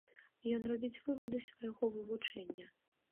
Ён робіць вывады свайго вывучэння.